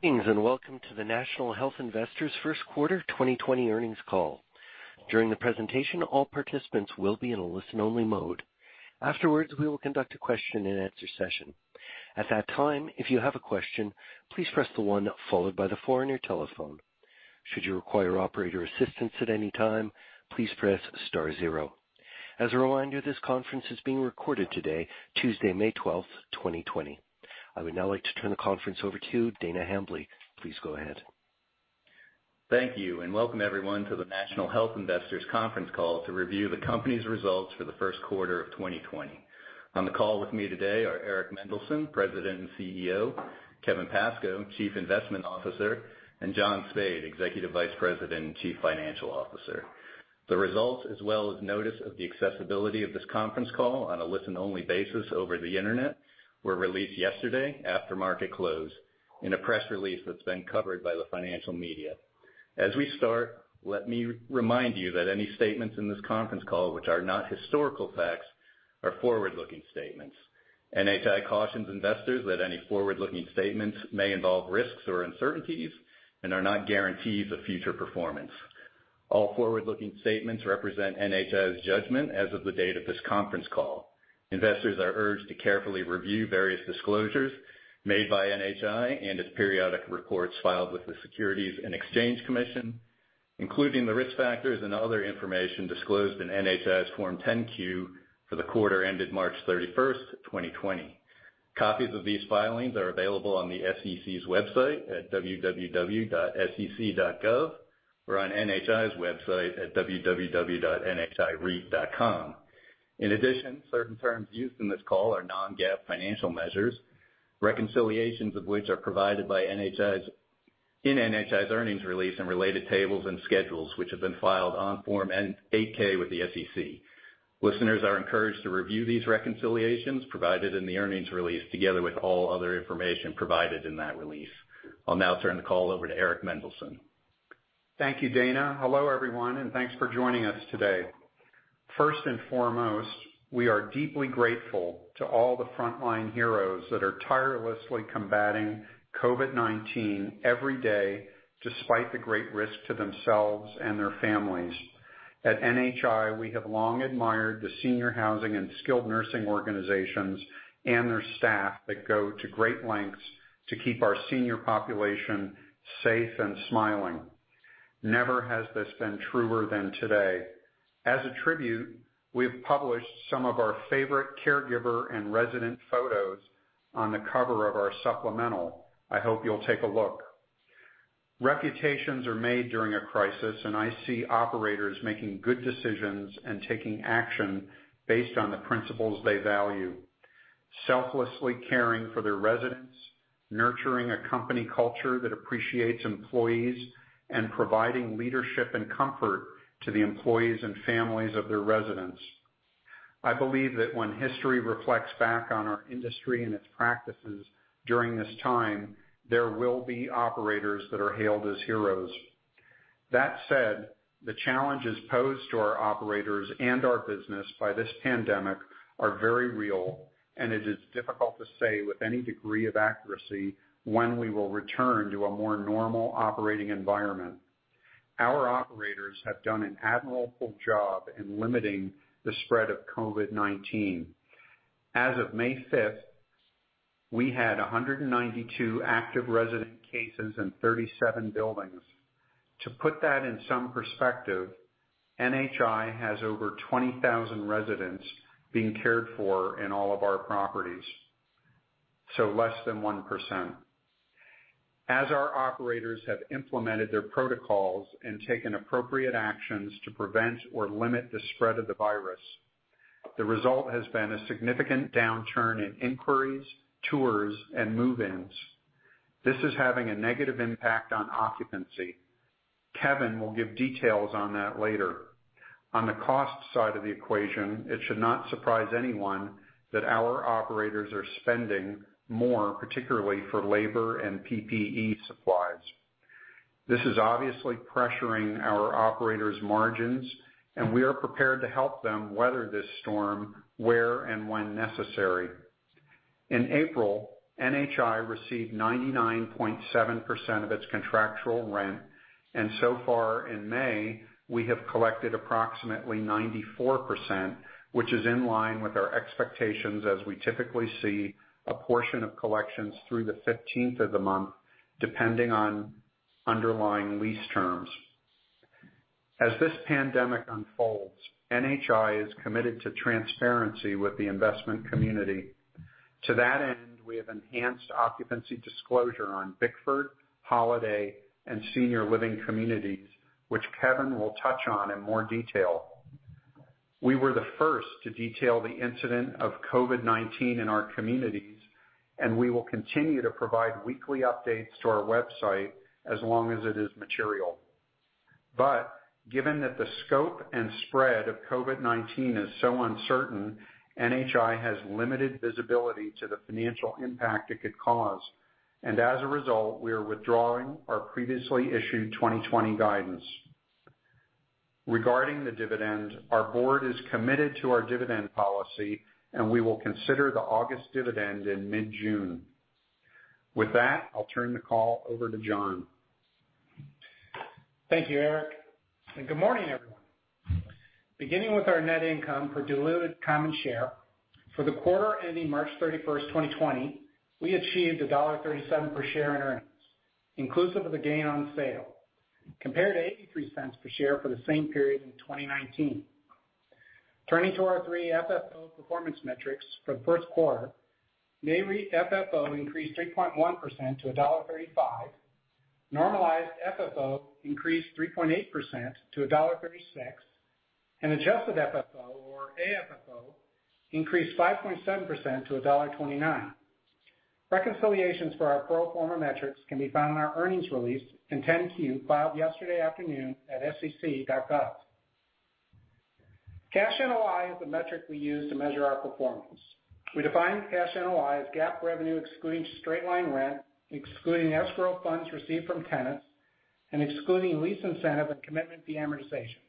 Greetings, welcome to the National Health Investors Q1 2020 earnings call. During the presentation, all participants will be in a listen-only mode. Afterwards, we will conduct a question and answer session. At that time, if you have a question, please press the one followed by the four on your telephone. Should you require operator assistance at any time, please press star zero. As a reminder, this conference is being recorded today, Tuesday, May 12th, 2020. I would now like to turn the conference over to Dana Hambly. Please go ahead. Thank you, and welcome everyone to the National Health Investors conference call to review the company's results for the Q1 of 2020. On the call with me today are Eric Mendelsohn, President and CEO, Kevin Pascoe, Chief Investment Officer, and John Spaid, Executive Vice President and Chief Financial Officer. The results, as well as notice of the accessibility of this conference call on a listen-only basis over the internet, were released yesterday after market close in a press release that's been covered by the financial media. As we start, let me remind you that any statements in this conference call which are not historical facts are forward-looking statements. NHI cautions investors that any forward-looking statements may involve risks or uncertainties and are not guarantees of future performance. All forward-looking statements represent NHI's judgment as of the date of this conference call. Investors are urged to carefully review various disclosures made by NHI and its periodic reports filed with the Securities and Exchange Commission, including the risk factors and other information disclosed in NHI's Form 10-Q for the quarter ended March 31st, 2020. Copies of these filings are available on the sec.gov website at www.sec.gov or on NHI's website at www.nhireit.com. Certain terms used in this call are non-GAAP financial measures, reconciliations of which are provided in NHI's earnings release and related tables and schedules, which have been filed on Form 8-K with the SEC. Listeners are encouraged to review these reconciliations provided in the earnings release together with all other information provided in that release. I'll now turn the call over to Eric Mendelsohn. Thank you, Dana. Hello, everyone, and thanks for joining us today. First and foremost, we are deeply grateful to all the frontline heroes that are tirelessly combating COVID-19 every day despite the great risk to themselves and their families. At NHI, we have long admired the senior housing and skilled nursing organizations and their staff that go to great lengths to keep our senior population safe and smiling. Never has this been truer than today. As a tribute, we have published some of our favorite caregiver and resident photos on the cover of our supplemental. I hope you'll take a look. Reputations are made during a crisis, and I see operators making good decisions and taking action based on the principles they value, selflessly caring for their residents, nurturing a company culture that appreciates employees, and providing leadership and comfort to the employees and families of their residents. I believe that when history reflects back on our industry and its practices during this time, there will be operators that are hailed as heroes. That said, the challenges posed to our operators and our business by this pandemic are very real, and it is difficult to say with any degree of accuracy when we will return to a more normal operating environment. Our operators have done an admirable job in limiting the spread of COVID-19. As of May 5th, we had 192 active resident cases in 37 buildings. To put that in some perspective, NHI has over 20,000 residents being cared for in all of our properties, so less than one percentt. As our operators have implemented their protocols and taken appropriate actions to prevent or limit the spread of the virus, the result has been a significant downturn in inquiries, tours, and move-ins. This is having a negative impact on occupancy. Kevin will give details on that later. On the cost side of the equation, it should not surprise anyone that our operators are spending more, particularly for labor and PPE supplies. This is obviously pressuring our operators' margins, and we are prepared to help them weather this storm where and when necessary. In April, NHI received 99.7% of its contractual rent, and so far in May, we have collected approximately 94%, which is in line with our expectations as we typically see a portion of collections through the 15th of the month, depending on underlying lease terms. As this pandemic unfolds, NHI is committed to transparency with the investment community. To that end, we have enhanced occupancy disclosure on Bickford, Holiday, and Senior Living Communities, which Kevin will touch on in more detail. We were the first to detail the incident of COVID-19 in our communities, and we will continue to provide weekly updates to our website as long as it is material. Given that the scope and spread of COVID-19 is so uncertain, NHI has limited visibility to the financial impact it could cause, and as a result, we are withdrawing our previously issued 2020 guidance. Regarding the dividend, our board is committed to our dividend policy, and we will consider the August dividend in mid-June. With that, I'll turn the call over to John. Thank you, Eric, and good morning, everyone. Beginning with our net income for diluted common share. For the quarter ending March 31, 2020, we achieved $1.37 per share in earnings, inclusive of the gain on sale, compared to $0.83 per share for the same period in 2019. Turning to our three FFO performance metrics for the Q1, Nareit FFO increased 3.1% to $1.35. Normalized FFO increased 3.8% to $1.36, and Adjusted FFO or AFFO increased 5.7% to $1.29. Reconciliations for our pro forma metrics can be found in our earnings release in 10-Q filed yesterday afternoon at sec.gov. Cash NOI is the metric we use to measure our performance. We define Cash NOI as GAAP revenue, excluding straight-line rent, excluding escrow funds received from tenants, and excluding lease incentive and commitment fee amortizations.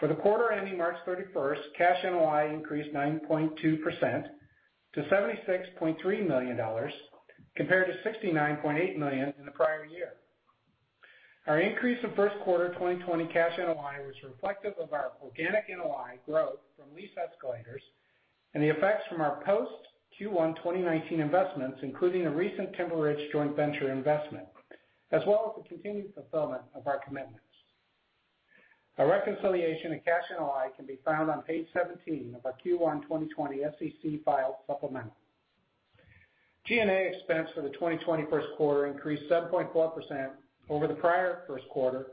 For the quarter ending March 31st, Cash NOI increased 9.2% to $76.3 million, compared to $69.8 million in the prior year. Our increase in Q1 2020 Cash NOI was reflective of our organic NOI growth from lease escalators and the effects from our post Q1 2019 investments, including a recent Timber Ridge joint venture investment, as well as the continued fulfillment of our commitments. A reconciliation in Cash NOI can be found on page 17 of our Q1 2020 SEC filed supplement. G&A expense for the 2020 Q1 increased 7.4% over the prior Q1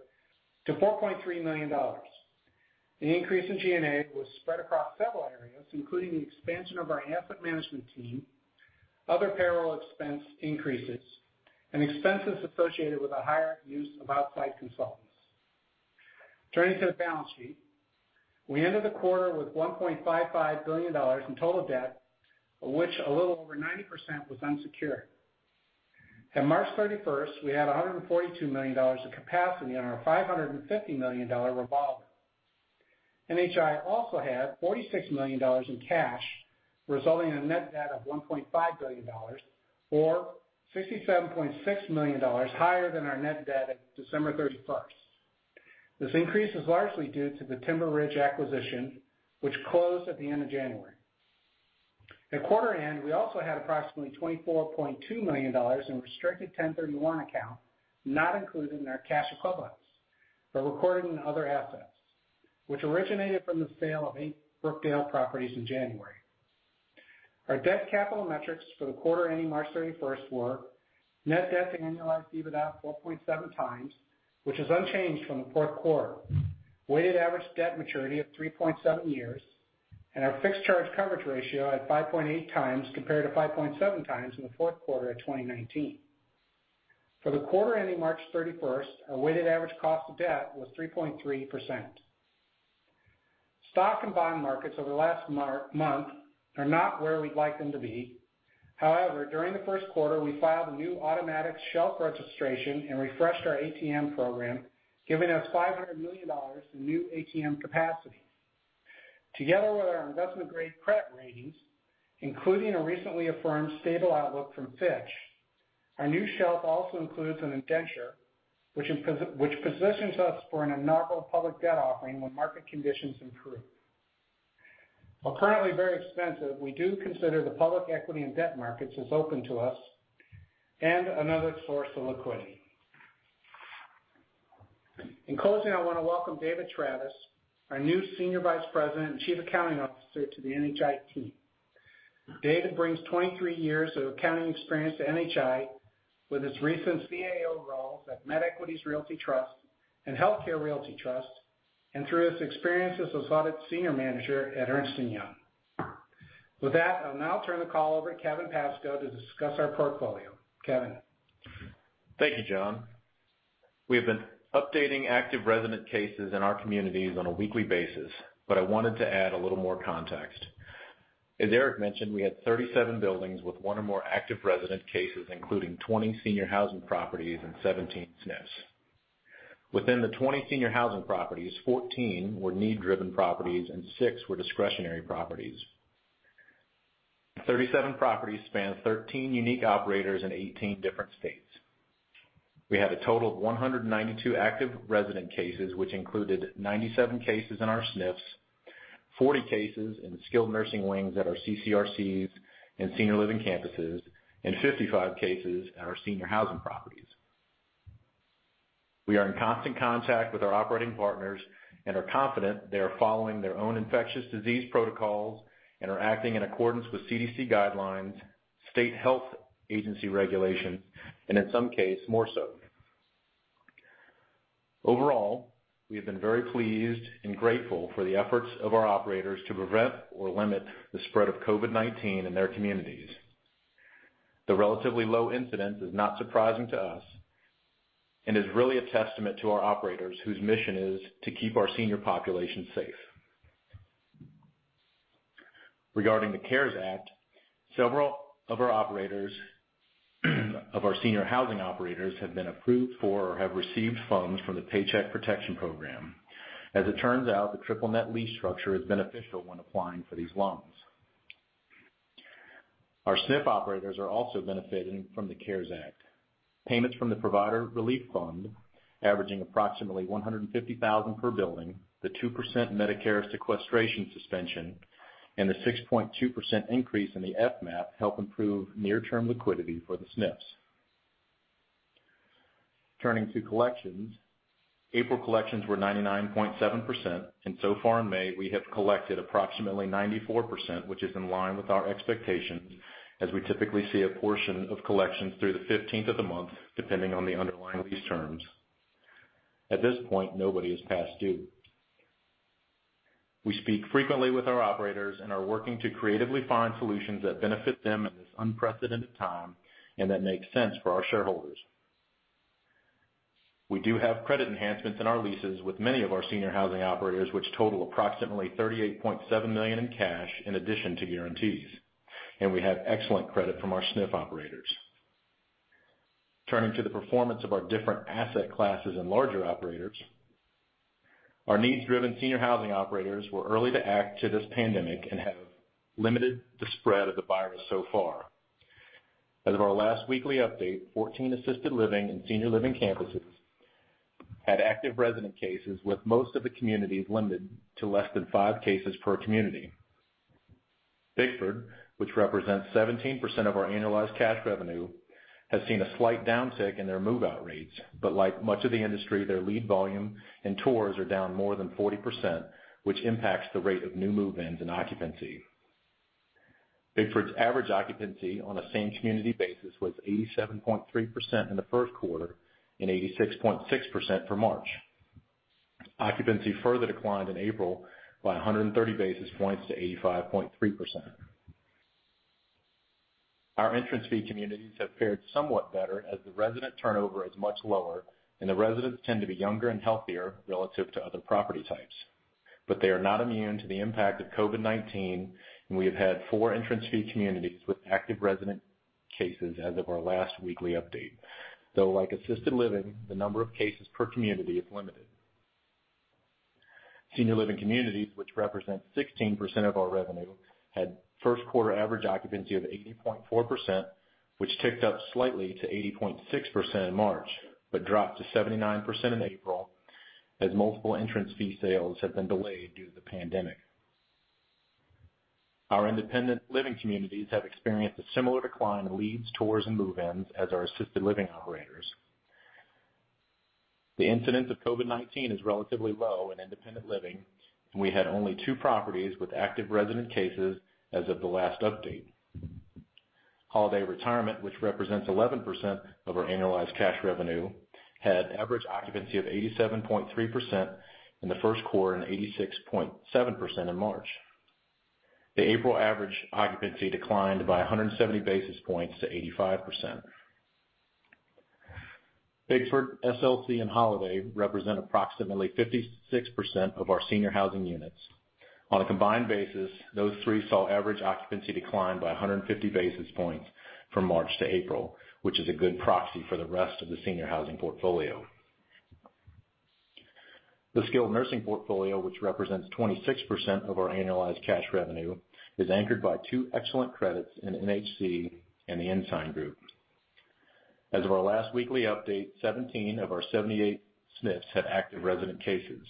to $4.3 million. The increase in G&A was spread across several areas, including the expansion of our asset management team, other payroll expense increases, and expenses associated with a higher use of outside consultants. Turning to the balance sheet. We ended the quarter with $1.55 billion in total debt, which a little over 90% was unsecured. At March 31st, we had $142 million of capacity on our $550 million revolver. NHI also had $46 million in cash, resulting in a net debt of $1.5 billion, or $67.6 million higher than our net debt at December 31st. This increase is largely due to the Timber Ridge acquisition, which closed at the end of January. At quarter end, we also had approximately $24.2 million in restricted 1031 account, not included in our cash equivalents, but recorded in other assets, which originated from the sale of eight Brookdale properties in January. Our debt capital metrics for the quarter ending March 31st were net debt to annualized EBITDA 4.7x, which is unchanged from the fourth quarter, weighted average debt maturity of 3.7 years, and our fixed charge coverage ratio at 5.8x compared to 5.7x in the Q4 of 2019. For the quarter ending March 31st, our weighted average cost of debt was 3.3%. Stock and bond markets over the last month are not where we'd like them to be. However, during the Q1, we filed a new automatic shelf registration and refreshed our ATM program, giving us $500 million in new ATM capacity. Together with our investment-grade credit ratings, including a recently affirmed stable outlook from Fitch, our new shelf also includes an indenture which positions us for a novel public debt offering when market conditions improve. While currently very expensive, we do consider the public equity and debt markets as open to us and another source of liquidity. In closing, I want to welcome David Travis, our new Senior Vice President and Chief Accounting Officer, to the NHI team. David brings 23 years of accounting experience to NHI with his recent CAO roles at MedEquities Realty Trust and Healthcare Realty Trust, and through his experience as Audit Senior Manager at Ernst & Young. With that, I'll now turn the call over to Kevin Pascoe to discuss our portfolio. Kevin? Thank you, John. We have been updating active resident cases in our communities on a weekly basis. I wanted to add a little more context. As Eric mentioned, we had 37 buildings with one or more active resident cases, including 20 senior housing properties and 17 SNFs. Within the 20 senior housing properties, 14 were need-driven properties and six were discretionary properties. 37 properties span 13 unique operators in 18 different states. We have a total of 192 active resident cases, which included 97 cases in our SNFs, 40 cases in skilled nursing wings at our CCRCs and senior living campuses, and 55 cases at our senior housing properties. We are in constant contact with our operating partners and are confident they are following their own infectious disease protocols and are acting in accordance with CDC guidelines, state health agency regulations, and in some case, more so. Overall, we have been very pleased and grateful for the efforts of our operators to prevent or limit the spread of COVID-19 in their communities. The relatively low incidence is not surprising to us and is really a testament to our operators whose mission is to keep our senior population safe. Regarding the CARES Act, several of our senior housing operators have been approved for or have received funds from the Paycheck Protection Program. As it turns out, the triple net lease structure is beneficial when applying for these loans. Our SNF operators are also benefiting from the CARES Act. Payments from the Provider Relief Fund, averaging approximately $150,000 per building, the two percent Medicare sequestration suspension, and the 6.2% increase in the FMAP help improve near-term liquidity for the SNFs. Turning to collections. April collections were 99.7%. So far in May, we have collected approximately 94%, which is in line with our expectations, as we typically see a portion of collections through the 15th of the month, depending on the underlying lease terms. At this point, nobody is past due. We speak frequently with our operators and are working to creatively find solutions that benefit them in this unprecedented time and that make sense for our shareholders. We do have credit enhancements in our leases with many of our senior housing operators, which total approximately $38.7 million in cash in addition to guarantees. We have excellent credit from our SNF operators. Turning to the performance of our different asset classes and larger operators. Our needs-driven senior housing operators were early to act to this pandemic and have limited the spread of the virus so far. As of our last weekly update, 14 assisted living and senior living campuses had active resident cases, with most of the communities limited to less than five cases per community. Bickford, which represents 17% of our annualized cash revenue, has seen a slight downtick in their move-out rates, like much of the industry, their lead volume and tours are down more than 40%, which impacts the rate of new move-ins and occupancy. Bickford's average occupancy on a same-community basis was 87.3% in the Q1 and 86.6% for March. Occupancy further declined in April by 130 basis points to 85.3%. Our entrance fee communities have fared somewhat better as the resident turnover is much lower and the residents tend to be younger and healthier relative to other property types. They are not immune to the impact of COVID-19, and we have had four entrance fee communities with active resident cases as of our last weekly update. Like assisted living, the number of cases per community is limited. Senior living communities, which represent 16% of our revenue, had Q1 average occupancy of 80.4%, which ticked up slightly to 80.6% in March, but dropped to 79% in April as multiple entrance fee sales have been delayed due to the pandemic. Our independent living communities have experienced a similar decline in leads, tours, and move-ins as our assisted living operators. The incidence of COVID-19 is relatively low in independent living, and we had only two properties with active resident cases as of the last update. Holiday Retirement, which represents 11% of our annualized cash revenue, had average occupancy of 87.3% in the Q1 and 86.7% in March. The April average occupancy declined by 170 basis points to 85%. Bickford, SLC, and Holiday represent approximately 56% of our senior housing units. On a combined basis, those three saw average occupancy decline by 150 basis points from March to April, which is a good proxy for the rest of the senior housing portfolio. The skilled nursing portfolio, which represents 26% of our annualized cash revenue, is anchored by two excellent credits in NHC and The Ensign Group. As of our last weekly update, 17 of our 78 SNFs had active resident cases.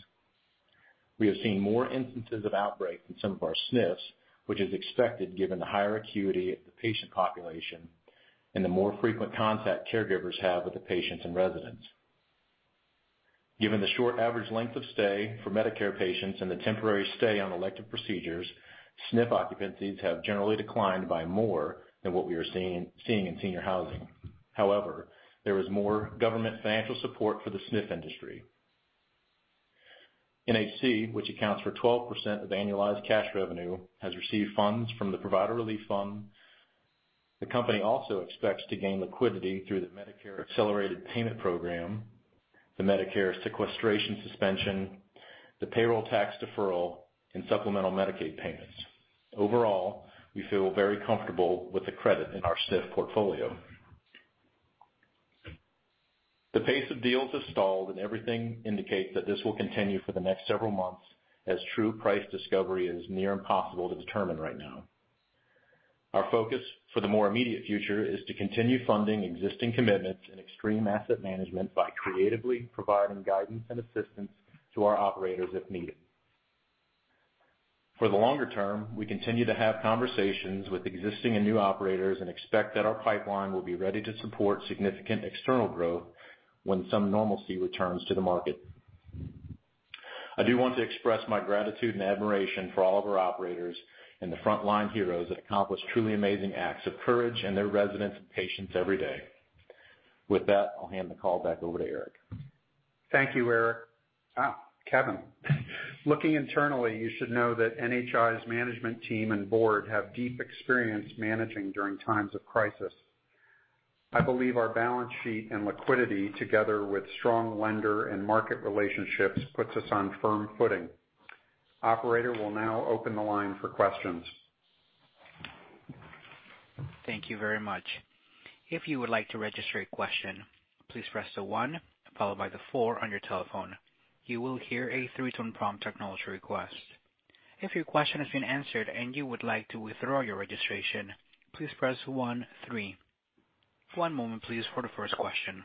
We have seen more instances of outbreaks in some of our SNFs, which is expected given the higher acuity of the patient population and the more frequent contact caregivers have with the patients and residents. Given the short average length of stay for Medicare patients and the temporary stay on elective procedures, SNF occupancies have generally declined by more than what we are seeing in senior housing. However, there is more government financial support for the SNF industry. NHC, which accounts for 12% of annualized cash revenue, has received funds from the Provider Relief Fund. The company also expects to gain liquidity through the Medicare Accelerated Payment Program, the Medicare Sequestration Suspension, the Payroll Tax Deferral, and Supplemental Medicaid Payments. Overall, we feel very comfortable with the credit in our SNF portfolio. The pace of deals has stalled, and everything indicates that this will continue for the next several months as true price discovery is near impossible to determine right now. Our focus for the more immediate future is to continue funding existing commitments and extreme asset management by creatively providing guidance and assistance to our operators if needed. For the longer term, we continue to have conversations with existing and new operators and expect that our pipeline will be ready to support significant external growth when some normalcy returns to the market. I do want to express my gratitude and admiration for all of our operators and the frontline heroes that accomplish truly amazing acts of courage in their residents and patients every day. With that, I'll hand the call back over to Eric. Thank you, Kevin. Looking internally, you should know that NHI's management team and board have deep experience managing during times of crisis. I believe our balance sheet and liquidity, together with strong lender and market relationships, puts us on firm footing. Operator, we'll now open the line for questions. Thank you very much. If you would like to register a question, please press the one followed by the four on your telephone. You will hear a three-tone prompt technology request. If your question has been answered and you would like to withdraw your registration, please pressone-three. One moment, please, for the first question.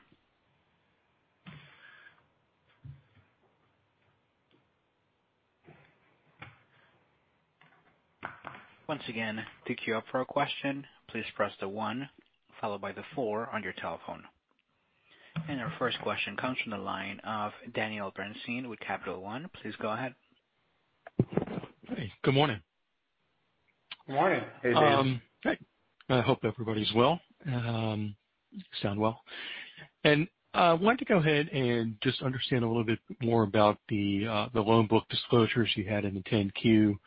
Once again, to queue up for a question, please press the one followed by the four on your telephone. Our first question comes from the line of Daniel Bernstein with Capital One. Please go ahead. Hi, good morning. Good morning. Hey, Dan. Great. I hope everybody's well, sound well. I wanted to go ahead and just understand a little bit more about the loan book disclosures you had in the 10-Q.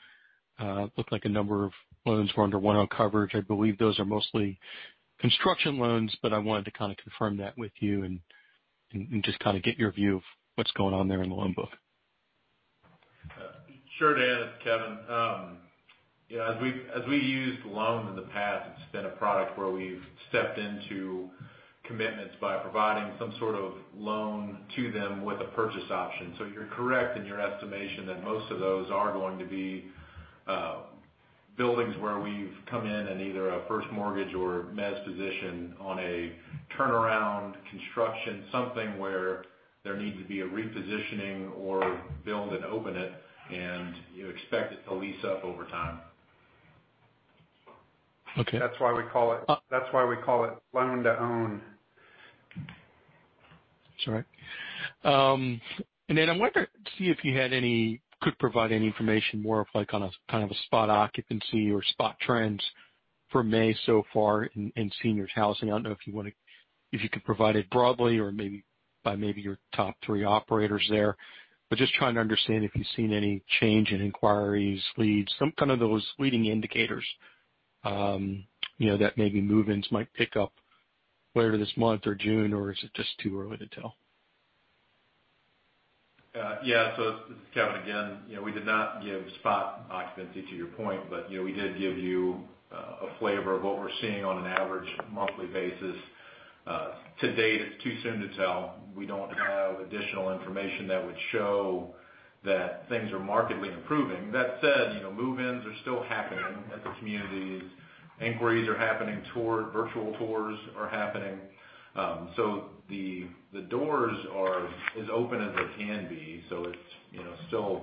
Looked like a number of loans were under 1.0x Coverage. I believe those are mostly construction loans, but I wanted to kind of confirm that with you and just kind of get your view of what's going on there in the loan book. Sure, Dan. It's Kevin. As we used loan in the past, it's been a product where we've stepped into commitments by providing some sort of loan to them with a purchase option. You're correct in your estimation that most of those are going to be buildings where we've come in in either a first mortgage or a mezz position on a turnaround construction. Something where there needs to be a repositioning or build and open it, and you expect it to lease up over time. Okay. That's why we call it loan to own. That's right. I wanted to see if you could provide any information more of kind of a spot occupancy or spot trends for May so far in seniors housing. I don't know if you could provide it broadly or maybe by maybe your top three operators there. Just trying to understand if you've seen any change in inquiries, leads, some kind of those leading indicators, that maybe move-ins might pick up later this month or June, or is it just too early to tell? This is Kevin again. We did not give spot occupancy to your point, but we did give you a flavor of what we're seeing on an average monthly basis. To date, it's too soon to tell. We don't have additional information that would show that things are markedly improving. That said, move-ins are still happening at the communities. Inquiries are happening, virtual tours are happening. The doors are as open as they can be. It's still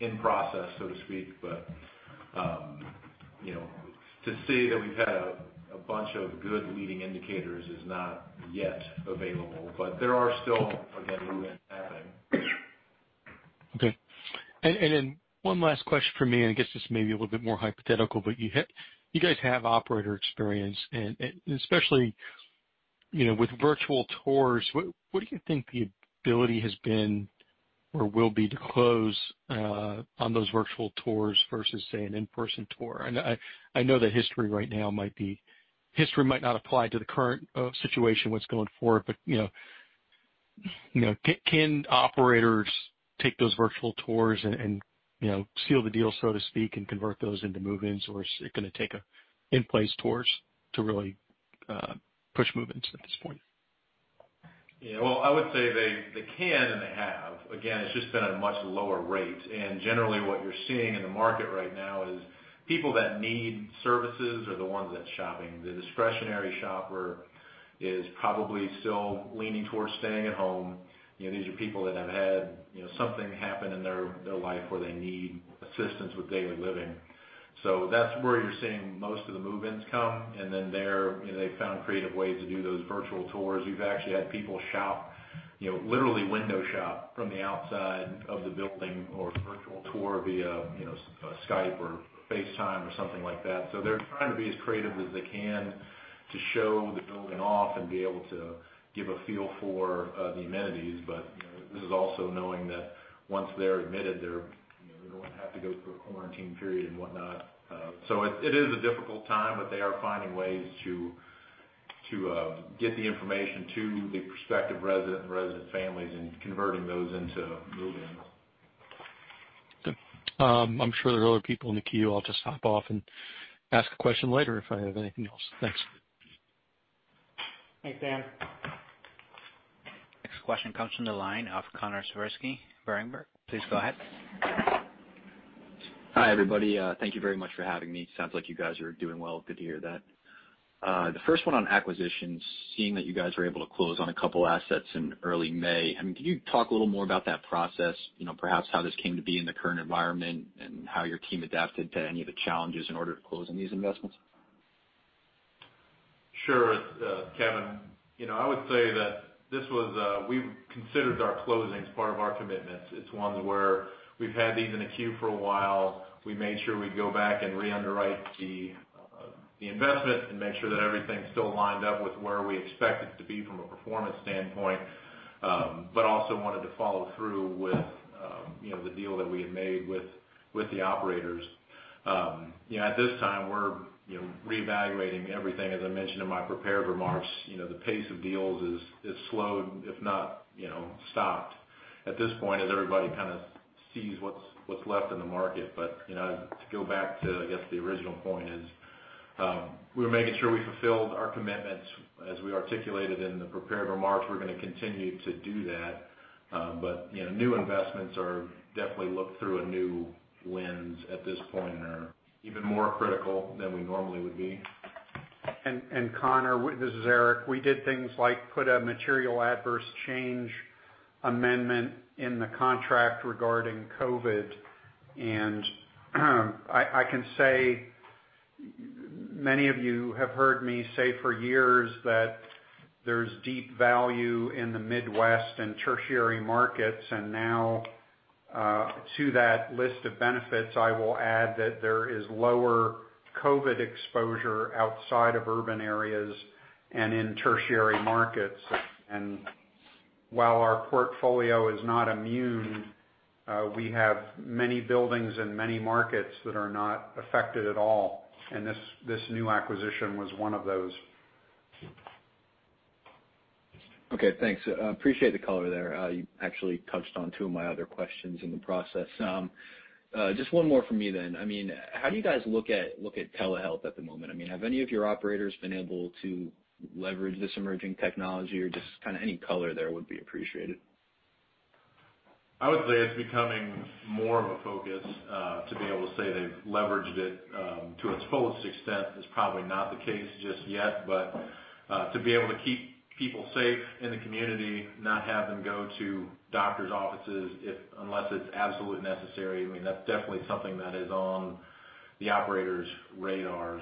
in process, so to speak, but to say that we've had a bunch of good leading indicators is not yet available. There are still, again, move-ins happening. Okay. One last question from me, and I guess this may be a little bit more hypothetical, but you guys have operator experience and especially, with virtual tours, what do you think the ability has been or will be to close on those virtual tours versus, say, an in-person tour? I know that history right now might not apply to the current situation, what's going forward, but can operators take those virtual tours and seal the deal, so to speak, and convert those into move-ins, or is it going to take in-place tours to really push move-ins at this point? Yeah. Well, I would say they can and they have. It's just been at a much lower rate. Generally, what you're seeing in the market right now is people that need services are the ones that's shopping. The discretionary shopper is probably still leaning towards staying at home. These are people that have had something happen in their life where they need assistance with daily living. That's where you're seeing most of the move-ins come. Then they've found creative ways to do those virtual tours. We've actually had people shop, literally window shop from the outside of the building or virtual tour via Skype or FaceTime or something like that. They're trying to be as creative as they can to show the building off and be able to give a feel for the amenities. This is also knowing that once they're admitted, they're going to have to go through a quarantine period and whatnot. It is a difficult time, but they are finding ways to get the information to the prospective resident and resident families and converting those into move-ins. I'm sure there are other people in the queue. I'll just hop off and ask a question later if I have anything else. Thanks. Thanks, Dan. Next question comes from the line of Connor Siversky, Berenberg. Please go ahead. Hi, everybody. Thank you very much for having me. Sounds like you guys are doing well. Good to hear that. The first one on acquisitions, seeing that you guys were able to close on a couple assets in early May, can you talk a little more about that process? Perhaps how this came to be in the current environment, how your team adapted to any of the challenges in order to closing these investments? Sure, Kevin. I would say that we've considered our closings part of our commitments. It's one where we've had these in the queue for a while. We made sure we'd go back and re-underwrite the investment and make sure that everything's still lined up with where we expect it to be from a performance standpoint. Also wanted to follow through with the deal that we had made with the operators. At this time, we're reevaluating everything. As I mentioned in my prepared remarks, the pace of deals has slowed, if not, stopped. At this point, as everybody kind of sees what's left in the market. To go back to, I guess the original point is, we were making sure we fulfilled our commitments as we articulated in the prepared remarks. We're going to continue to do that. New investments are definitely looked through a new lens at this point, and are even more critical than we normally would be. Connor, this is Eric. We did things like put a material adverse change amendment in the contract regarding COVID-19, and I can say, many of you have heard me say for years that there's deep value in the Midwest and tertiary markets, and now, to that list of benefits, I will add that there is lower COVID-19 exposure outside of urban areas and in tertiary markets. While our portfolio is not immune, we have many buildings and many markets that are not affected at all. This new acquisition was one of those. Okay, thanks. Appreciate the color there. You actually touched on two of my other questions in the process. Just one more from me then. How do you guys look at telehealth at the moment? Have any of your operators been able to leverage this emerging technology, or just kind of any color there would be appreciated. I would say it's becoming more of a focus, to be able to say they've leveraged it, to its fullest extent is probably not the case just yet. To be able to keep people safe in the community, not have them go to doctor's offices unless it's absolutely necessary, that's definitely something that is on the operators' radars.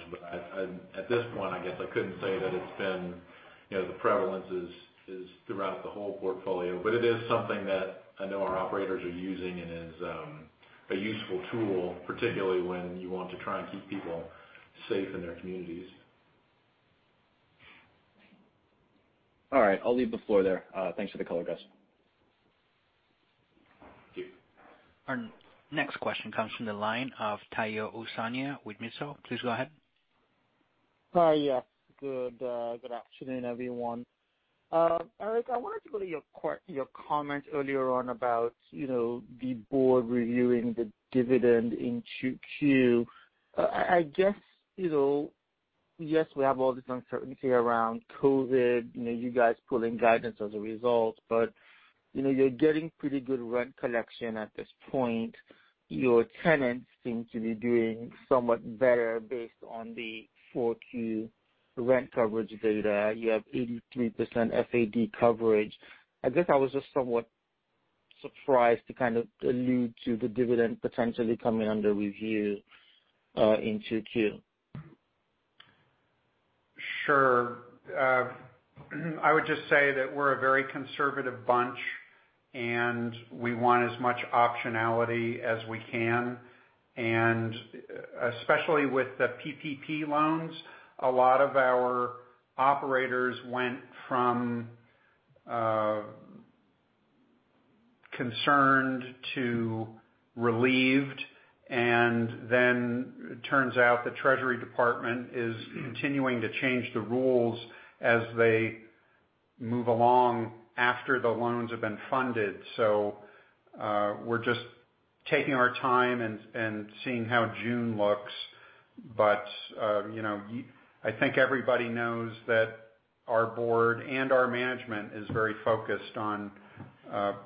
At this point, I guess I couldn't say that the prevalence is throughout the whole portfolio. It is something that I know our operators are using and is a useful tool, particularly when you want to try and keep people safe in their communities. All right. I'll leave the floor there. Thanks for the color, guys. Thank you. Our next question comes from the line of Tayo Okusanya with Mizuho. Please go ahead. Hi. Good afternoon, everyone. Eric, I wanted to go to your comment earlier on about the board reviewing the dividend in 2Q. I guess, yes, we have all this uncertainty around COVID, you guys pulling guidance as a result. You're getting pretty good rent collection at this point. Your tenants seem to be doing somewhat better based on the 4Q rent coverage data. You have 83% FAD coverage. I guess I was just somewhat surprised to kind of allude to the dividend potentially coming under review in 2Q. Sure. I would just say that we're a very conservative bunch, and we want as much optionality as we can. Especially with the PPP loans, a lot of our operators went from concerned to relieved, and then it turns out the Treasury Department is continuing to change the rules as they move along after the loans have been funded. We're just taking our time and seeing how June looks. I think everybody knows that our board and our management is very focused on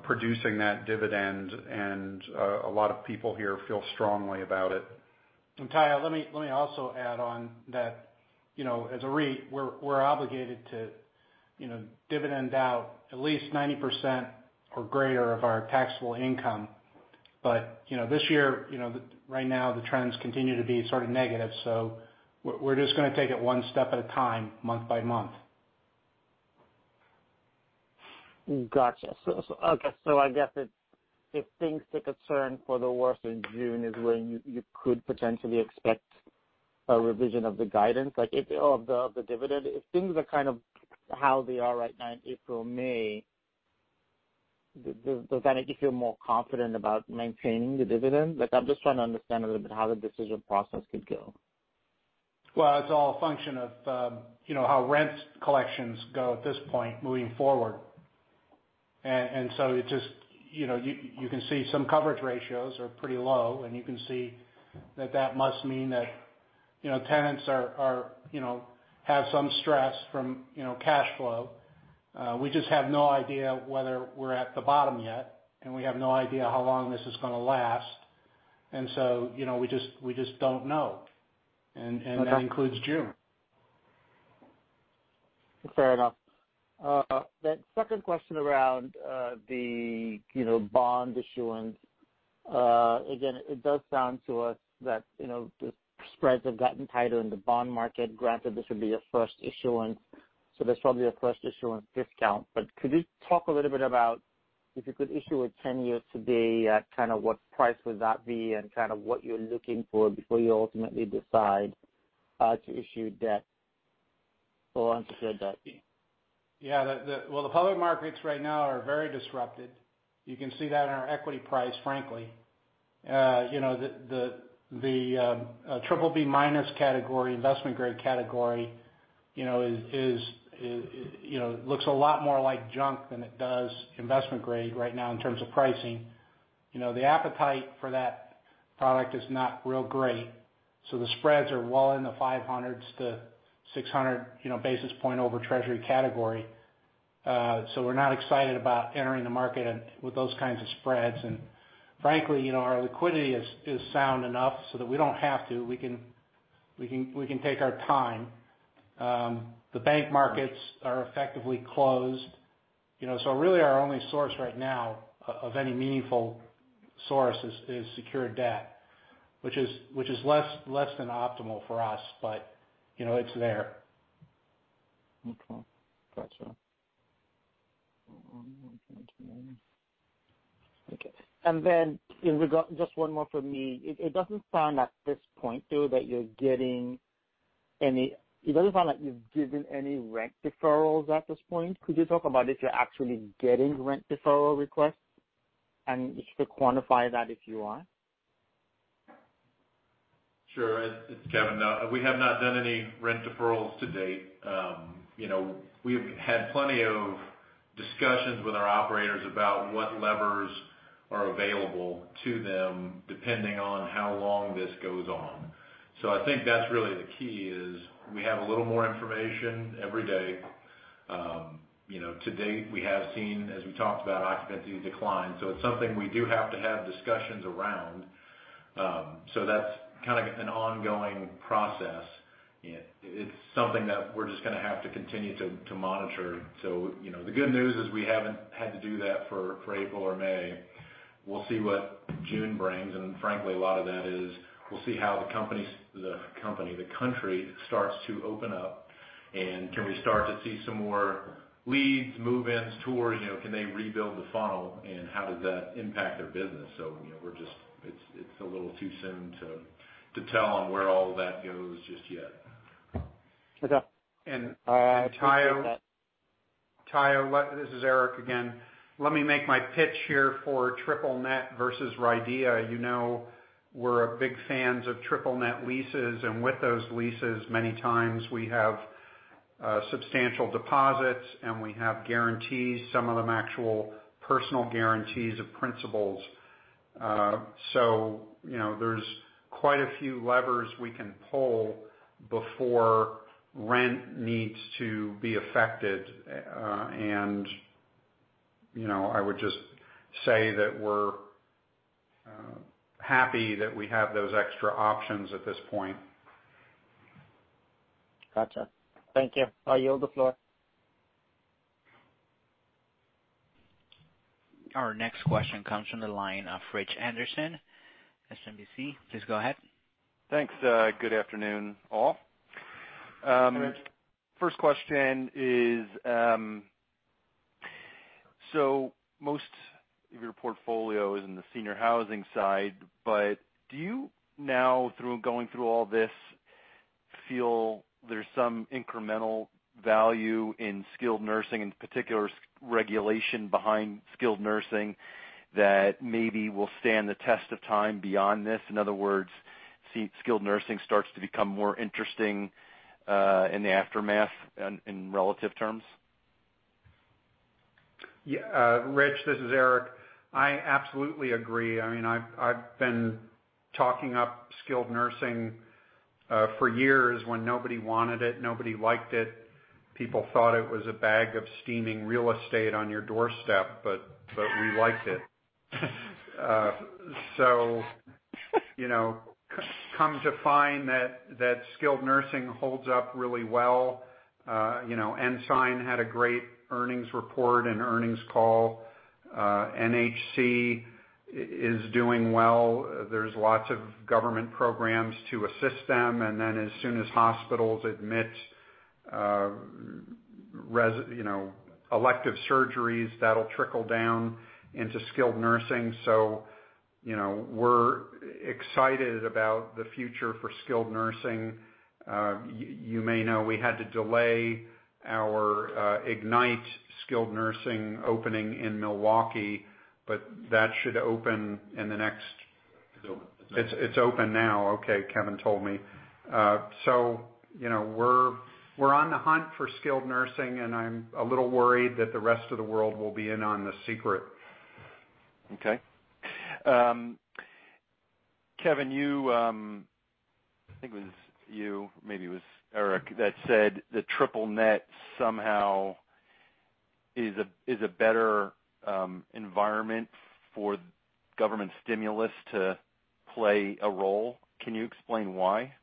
producing that dividend, and a lot of people here feel strongly about it. Tayo, let me also add on that, as a REIT, we're obligated to dividend out at least 90% or greater of our taxable income. This year, right now the trends continue to be sort of negative. We're just going to take it one step at a time, month by month. Got you. I guess if things take a turn for the worse in June is when you could potentially expect a revision of the dividend. If things are kind of how they are right now in April, May, does that make you feel more confident about maintaining the dividend? I'm just trying to understand a little bit how the decision process could go. Well, it's all a function of how rent collections go at this point moving forward. You can see some coverage ratios are pretty low, and you can see that must mean that tenants have some stress from cash flow. We just have no idea whether we're at the bottom yet, and we have no idea how long this is going to last. We just don't know. Okay. That includes June. Fair enough. The second question around the bond issuance. Again, it does sound to us that the spreads have gotten tighter in the bond market. Granted, this would be a first issuance, so there's probably a first issuance discount. Could you talk a little bit about if you could issue a 10-year today, kind of what price would that be, and kind of what you're looking for before you ultimately decide to issue debt? Hold on to. [inaudible] Well, the public markets right now are very disrupted. You can see that in our equity price, frankly. The BBB- category, investment grade category, looks a lot more like junk than it does investment grade right now in terms of pricing. The appetite for that product is not real great. The spreads are well in the 500s - 600 basis point over treasury category. We're not excited about entering the market with those kinds of spreads. Frankly, our liquidity is sound enough so that we don't have to. We can take our time. The bank markets are effectively closed. Really our only source right now, of any meaningful source, is secured debt, which is less than optimal for us, but it's there. Okay. Got you. Okay. Just one more from me. It doesn't sound like you've given any rent deferrals at this point. Could you talk about if you're actually getting rent deferral requests? Just to quantify that if you are. Sure. It's Kevin. No, we have not done any rent deferrals to date. We've had plenty of discussions with our operators about what levers are available to them, depending on how long this goes on. I think that's really the key is we have a little more information every day. To date, we have seen, as we talked about, occupancy decline. It's something we do have to have discussions around. That's kind of an ongoing process. It's something that we're just going to have to continue to monitor. The good news is we haven't had to do that for April or May. We'll see what June brings, and frankly, a lot of that is we'll see how the country starts to open up, and can we start to see some more leads, move-ins, tours. Can they rebuild the funnel, and how does that impact their business? It's a little too soon to tell on where all of that goes just yet. Okay. Tayo, this is Eric again. Let me make my pitch here for triple net versus RIDEA. You know we're big fans of triple net leases, and with those leases, many times we have substantial deposits, and we have guarantees, some of them actual personal guarantees of principals. There's quite a few levers we can pull before rent needs to be affected. I would just say that we're happy that we have those extra options at this point. Got you. Thank you. [I yeild the floor], the floor. Our next question comes from the line of Richard Anderson, SMBC. Please go ahead. Thanks. Good afternoon, all. Hi, Rich. First question is, most of your portfolio is in the senior housing side, but do you now through going through all this feel there's some incremental value in Skilled Nursing, in particular regulation behind Skilled Nursing that maybe will stand the test of time beyond this? In other words, Skilled Nursing starts to become more interesting in the aftermath in relative terms. Yeah. Rich, this is Eric. I absolutely agree. I've been talking up skilled nursing for years when nobody wanted it, nobody liked it. People thought it was a bag of steaming real estate on your doorstep, but we liked it. Come to find that skilled nursing holds up really well. Ensign had a great earnings report and earnings call. NHC is doing well. There's lots of government programs to assist them, and then as soon as hospitals admit elective surgeries, that'll trickle down into skilled nursing. We're excited about the future for skilled nursing. You may know we had to delay our Ignite skilled nursing opening in Milwaukee, but that should open in the next. It's open. It's open now. Okay. Kevin told me. We're on the hunt for skilled nursing, and I'm a little worried that the rest of the world will be in on the secret. Okay. Kevin, I think it was you, maybe it was Eric, that said that triple net somehow is a better environment for government stimulus to play a role. Can you explain why?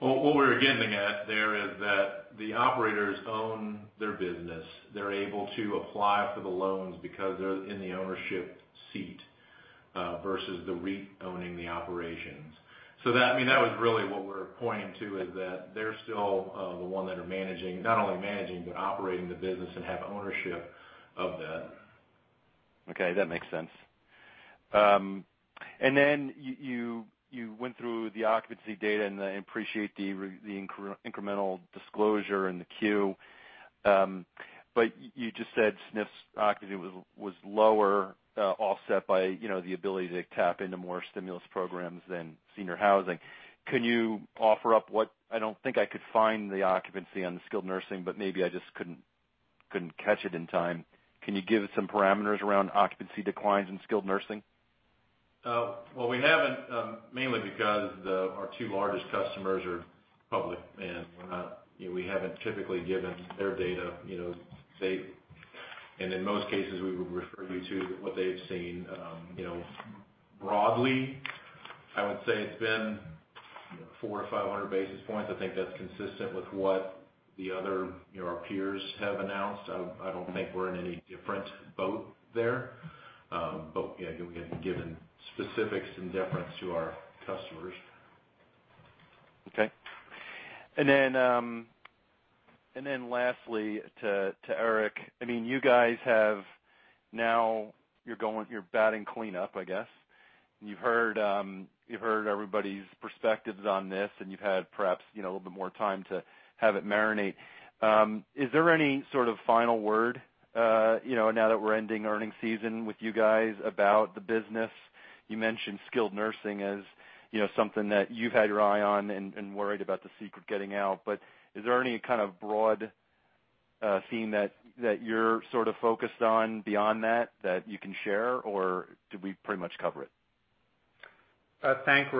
Well, what we were getting at there is that the operators own their business. They're able to apply for the loans because they're in the ownership seat, versus the REIT owning the operations. That was really what we were pointing to, is that they're still the one that are managing, not only managing, but operating the business and have ownership of that. Okay, that makes sense. Then you went through the occupancy data, and I appreciate the incremental disclosure in the 10-Q. You just said SNF's occupancy was lower, offset by the ability to tap into more stimulus programs than senior housing. Can you offer up what I don't think I could find the occupancy on the skilled nursing, but maybe I just couldn't catch it in time. Can you give some parameters around occupancy declines in skilled nursing? Well, we haven't, mainly because our two largest customers are public and we haven't typically given their data. In most cases, we would refer you to what they've seen. Broadly, I would say it's been 400 or 500 basis points. I think that's consistent with what our peers have announced. I don't think we're in any different boat there. Yeah, we haven't given specifics in deference to our customers. Okay. Lastly, to Eric. You guys have now, you're batting clean up, I guess. You've heard everybody's perspectives on this, and you've had perhaps a little bit more time to have it marinate. Is there any sort of final word, now that we're ending earnings season with you guys, about the business? You mentioned skilled nursing as something that you've had your eye on and worried about the secret getting out. Is there any kind of broad theme that you're sort of focused on beyond that you can share, or did we pretty much cover it? Thank you,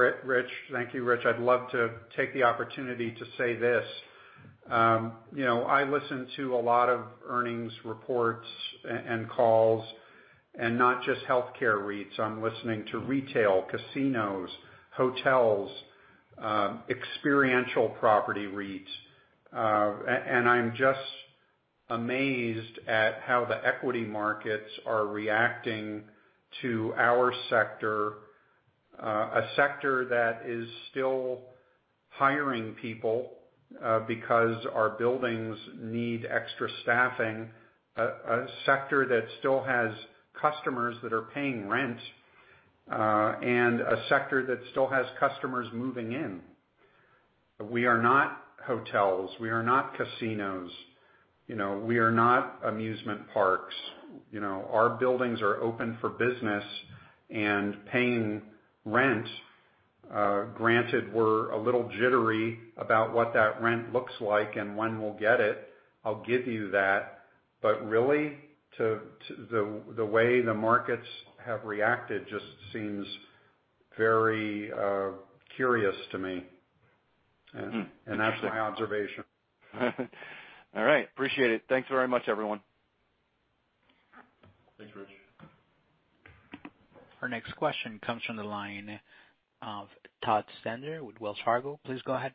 Rich. I'd love to take the opportunity to say this. I listen to a lot of earnings reports and calls, and not just healthcare REITs. I'm listening to retail, casinos, hotels, experiential property REITs. I'm just amazed at how the equity markets are reacting to our sector, a sector that is still hiring people because our buildings need extra staffing, a sector that still has customers that are paying rent, and a sector that still has customers moving in. We are not hotels. We are not casinos. We are not amusement parks. Our buildings are open for business and paying rent. Granted, we're a little jittery about what that rent looks like and when we'll get it, I'll give you that, but really, the way the markets have reacted just seems very curious to me. That's my observation. All right. Appreciate it. Thanks very much, everyone. Thanks, Rich. Our next question comes from the line of Todd Stender with Wells Fargo. Please go ahead.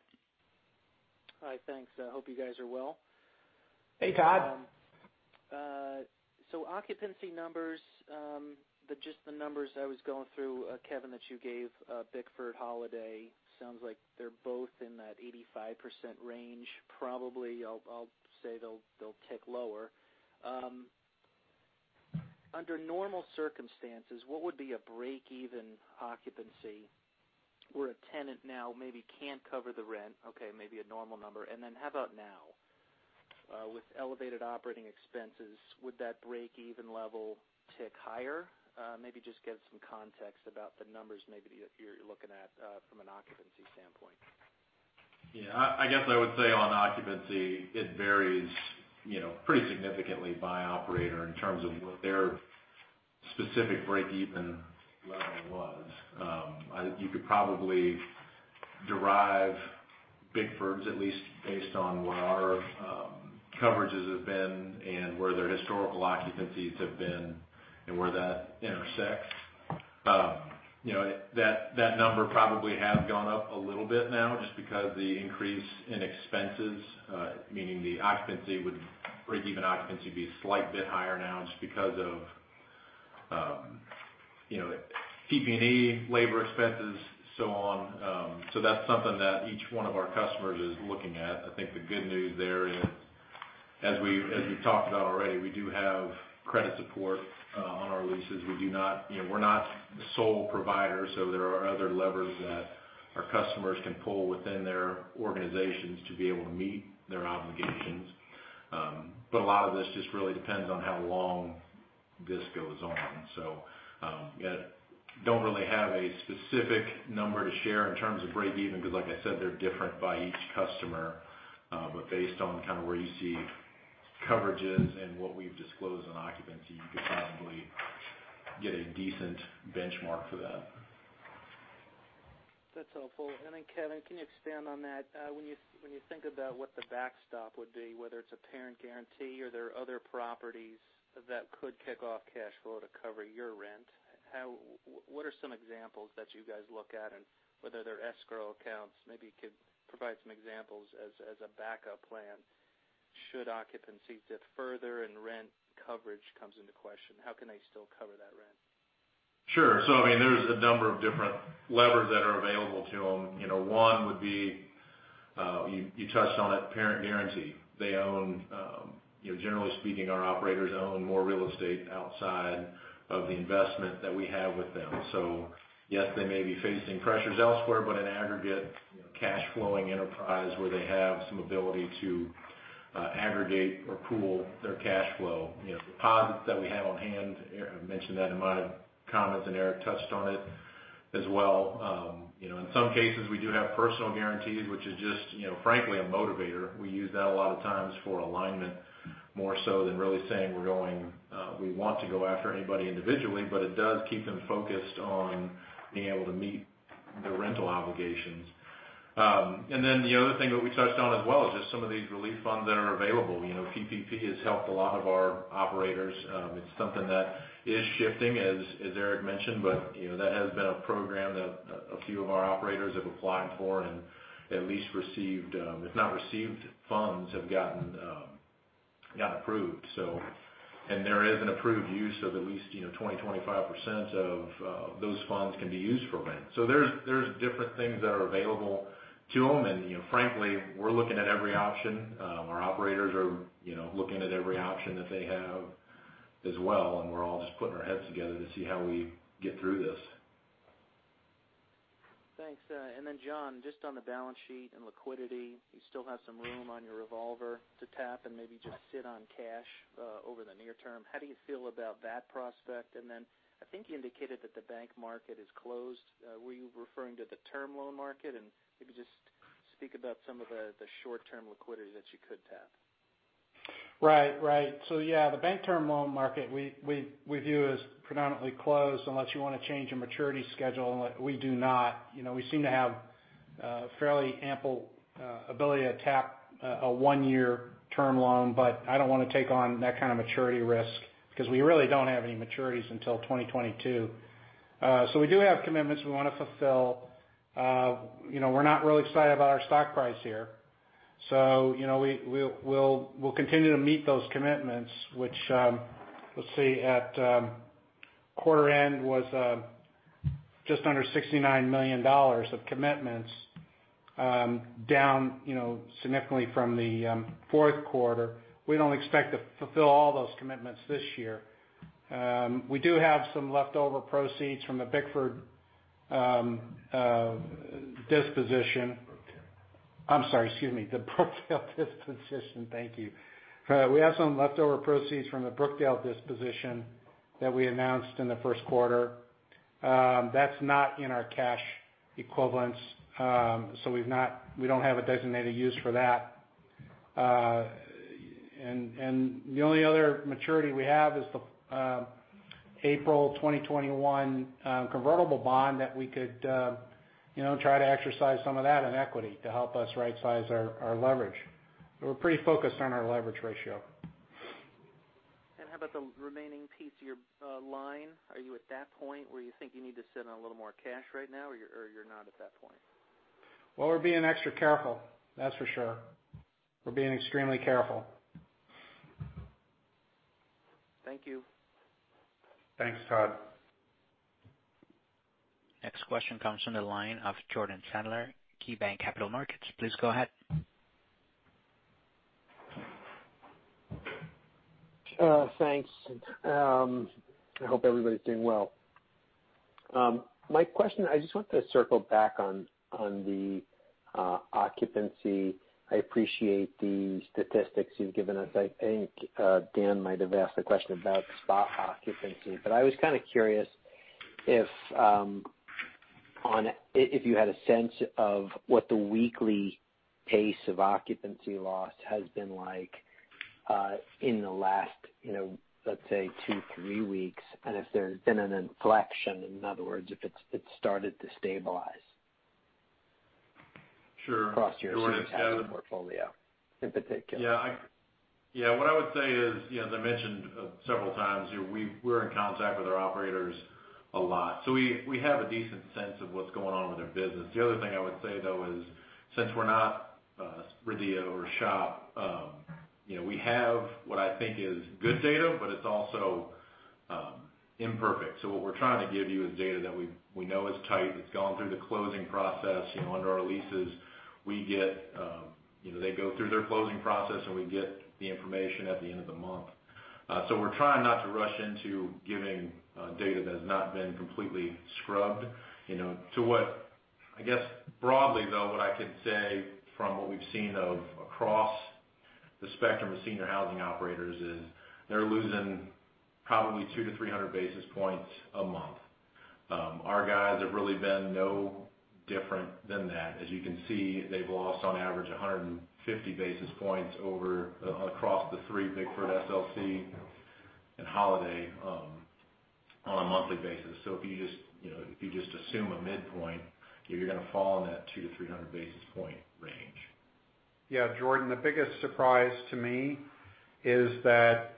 Hi, thanks. I hope you guys are well. Hey, Todd. Occupancy numbers, just the numbers I was going through, Kevin, that you gave Bickford Holiday, sounds like they're both in that 85% range, probably. I'll say they'll tick lower. Under normal circumstances, what would be a break-even occupancy where a tenant now maybe can't cover the rent, okay, maybe a normal number. How about now? With elevated operating expenses, would that break-even level tick higher? Maybe just give some context about the numbers maybe that you're looking at from an occupancy standpoint. Yeah. I guess I would say on occupancy, it varies pretty significantly by operator in terms of what their specific break-even level was. You could probably derive Bickford's at least based on what our coverages have been and where their historical occupancies have been, and where that intersects. That number probably has gone up a little bit now, just because of the increase in expenses, meaning the break-even occupancy would be a slight bit higher now just because of PP&E, labor expenses, so on. That's something that each one of our customers is looking at. I think the good news there is, as we've talked about already, we do have credit support on our leases. We're not the sole provider. There are other levers that our customers can pull within their organizations to be able to meet their obligations. A lot of this just really depends on how long this goes on. I don't really have a specific number to share in terms of break even, because like I said, they're different by each customer. Based on kind of where you see coverages and what we've disclosed on occupancy, you could probably get a decent benchmark for that. That's helpful. Kevin, can you expand on that? When you think about what the backstop would be, whether it's a parent guarantee or there are other properties that could kick off cash flow to cover your rent, what are some examples that you guys look at, and whether they're escrow accounts. Maybe you could provide some examples as a backup plan, should occupancy dip further and rent coverage comes into question. How can they still cover that? Sure. There's a number of different levers that are available to them. One would be, you touched on it, parent guarantee. Generally speaking, our operators own more real estate outside of the investment that we have with them. Yes, they may be facing pressures elsewhere, but in aggregate, cash flowing enterprise where they have some ability to aggregate or pool their cash flow. Deposits that we have on hand, I mentioned that in my comments, and Eric touched on it as well. In some cases, we do have personal guarantees, which is just frankly a motivator. We use that a lot of times for alignment, more so than really saying we want to go after anybody individually, but it does keep them focused on being able to meet their rental obligations. The other thing that we touched on as well is just some of these relief funds that are available. PPP has helped a lot of our operators. It's something that is shifting, as Eric mentioned, but that has been a program that a few of our operators have applied for and at least if not received funds, have gotten approved. There is an approved use of at least 20%-25% of those funds can be used for rent. There's different things that are available to them, and frankly, we're looking at every option. Our operators are looking at every option that they have as well, and we're all just putting our heads together to see how we get through this. Thanks. John, just on the balance sheet and liquidity, you still have some room on your revolver to tap and maybe just sit on cash over the near term. How do you feel about that prospect? I think you indicated that the bank market is closed. Were you referring to the term loan market? Maybe just speak about some of the short-term liquidity that you could tap. Right. Yeah, the bank term loan market, we view as predominantly closed unless you want to change a maturity schedule. We do not. We seem to have a fairly ample ability to tap a one-year term loan, but I don't want to take on that kind of maturity risk because we really don't have any maturities until 2022. We do have commitments we want to fulfill. We're not really excited about our stock price here. We'll continue to meet those commitments, which, let's see, at quarter end was just under $69 million of commitments, down significantly from the Q4. We don't expect to fulfill all those commitments this year. We do have some leftover proceeds from the Bickford disposition. Brookdale. I'm sorry, excuse me, the Brookdale disposition, thank you. We have some leftover proceeds from the Brookdale disposition that we announced in the Q1. That's not in our cash equivalents. We don't have a designated use for that. The only other maturity we have is the April 2021 convertible bond that we could try to exercise some of that in equity to help us right size our leverage. We're pretty focused on our leverage ratio. How about the remaining piece of your line? Are you at that point where you think you need to sit on a little more cash right now, or you're not at that point? Well, we're being extra careful, that's for sure. We're being extremely careful. Thank you. Thanks, Todd. Next question comes from the line of Jordan Sadler, KeyBanc Capital Markets. Please go ahead. Thanks. I hope everybody's doing well. My question, I just want to circle back on the occupancy. I appreciate the statistics you've given us. I think Dan might have asked a question about spot occupancy, but I was kind of curious if you had a sense of what the weekly pace of occupancy loss has been like in the last let's say two, three weeks, and if there's been an inflection, in other words, if it's started to stabilize. Sure. Jordan Sadler across your senior housing portfolio in particular. Yeah. What I would say is, as I mentioned several times, we're in contact with our operators a lot, so we have a decent sense of what's going on with their business. The other thing I would say, though, is since we're not RIDEA or SHOP, we have what I think is good data, but it's also imperfect. What we're trying to give you is data that we know is tight. It's gone through the closing process under our leases. They go through their closing process, and we get the information at the end of the month. We're trying not to rush into giving data that has not been completely scrubbed. I guess broadly, though, what I can say from what we've seen across the spectrum of senior housing operators is they're losing probably 200 - 300 basis points a month. Our guys have really been no different than that. As you can see, they've lost on average 150 basis points across the three, Bickford, SLC and Holiday, on a monthly basis. If you just assume a midpoint, you're going to fall in that 200 - 300 basis point range. Yeah, Jordan, the biggest surprise to me is that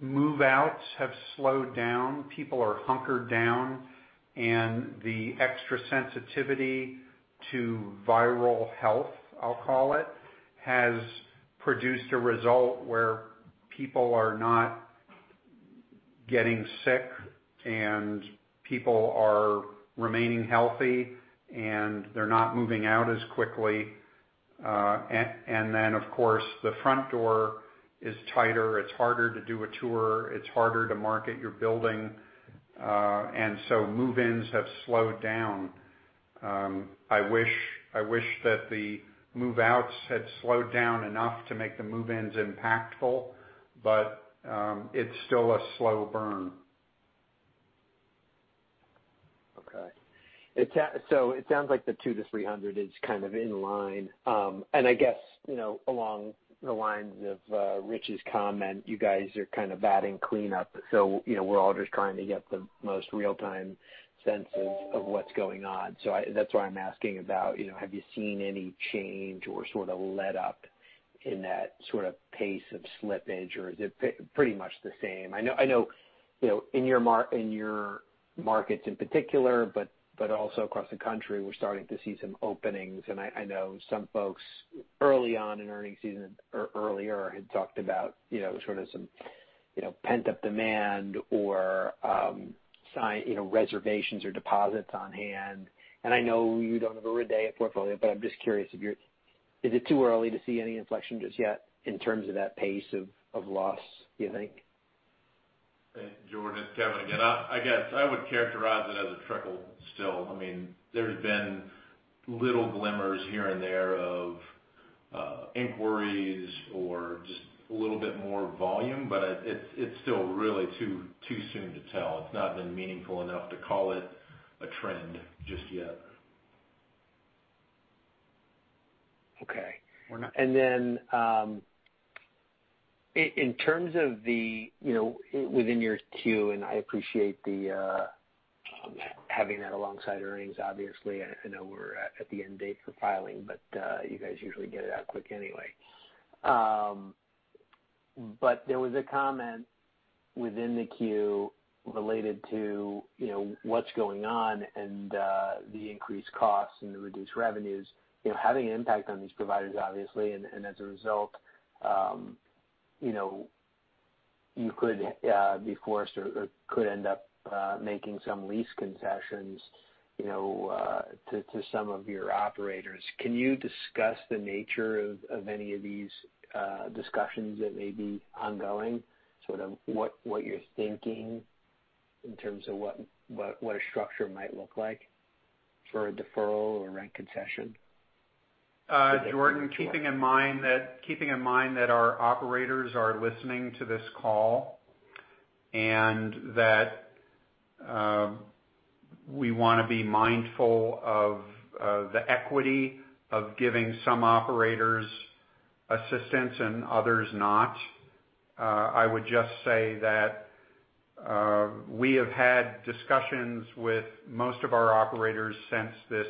move-outs have slowed down. People are hunkered down, and the extra sensitivity To viral health, I'll call it, has produced a result where people are not getting sick and people are remaining healthy and they're not moving out as quickly. Of course, the front door is tighter. It's harder to do a tour, it's harder to market your building. Move-ins have slowed down. I wish that the move-outs had slowed down enough to make the move-ins impactful. It's still a slow burn. Okay. It sounds like the 200 - 300 is kind of in line. I guess, along the lines of Rich's comment, you guys are kind of batting cleanup. We're all just trying to get the most real-time sense of what's going on. That's why I'm asking about, have you seen any change or sort of letup in that sort of pace of slippage, or is it pretty much the same? I know, in your markets in particular, but also across the country, we're starting to see some openings. I know some folks early on in earnings season or earlier had talked about sort of some pent-up demand or reservations or deposits on hand. I know you don't have a RIDEA portfolio, but I'm just curious if it's too early to see any inflection just yet in terms of that pace of loss, do you think? Hey, Jordan, it's Kevin again. I guess I would characterize it as a trickle still. There's been little glimmers here and there of inquiries or just a little bit more volume, but it's still really too soon to tell. It's not been meaningful enough to call it a trend just yet. Okay. Then, in terms of the-- within your Form 10-Q, and I appreciate having that alongside earnings, obviously. I know we're at the end date for filing, you guys usually get it out quick anyway. There was a comment within the Form 10-Q related to what's going on and the increased costs and the reduced revenues, having an impact on these providers, obviously. As a result, you could be forced or could end up making some lease concessions to some of your operators. Can you discuss the nature of any of these discussions that may be ongoing, sort of what you're thinking in terms of what a structure might look like for a deferral or rent concession? Jordan, keeping in mind that our operators are listening to this call and that we want to be mindful of the equity of giving some operators assistance and others not, I would just say that we have had discussions with most of our operators since this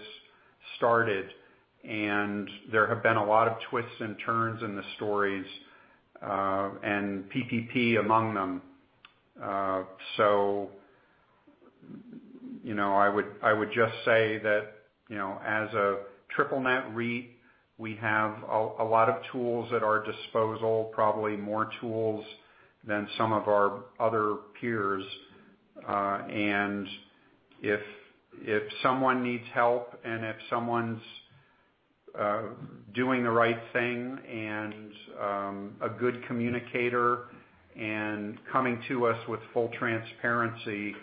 started, and there have been a lot of twists and turns in the stories, and PPP among them. I would just say that as a triple net REIT, we have a lot of tools at our disposal, probably more tools than some of our other peers. If someone needs help and if someone's doing the right thing and a good communicator and coming to us with full transparency,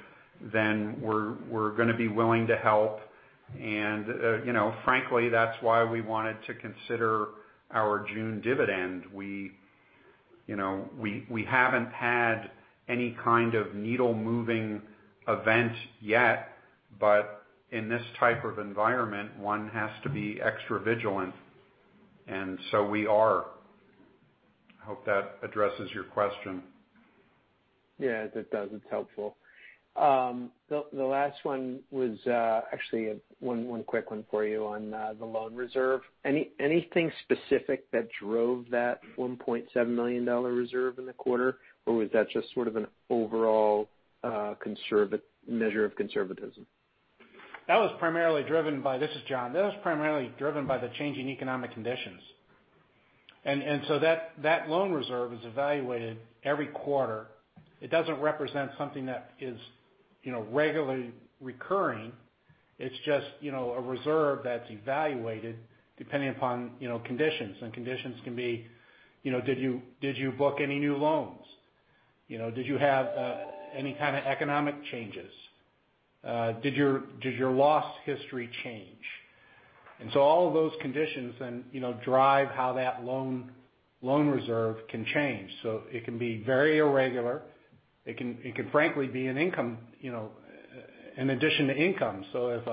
then we're going to be willing to help. Frankly, that's why we wanted to consider our June dividend. We haven't had any kind of needle-moving event yet. In this type of environment, one has to be extra vigilant, and so we are. I hope that addresses your question. Yeah, that does. It's helpful. The last one was actually one quick one for you on the loan reserve. Anything specific that drove that $1.7 million reserve in the quarter, or was that just sort of an overall measure of conservatism? This is John. That was primarily driven by the changing economic conditions. That loan reserve is evaluated every quarter. It doesn't represent something that is regularly recurring. It's just a reserve that's evaluated depending upon conditions. Conditions can be, did you book any new loans? Did you have any kind of economic changes? Did your loss history change? All of those conditions then drive how that loan reserve can change. It can be very irregular. It can frankly be an addition to income. If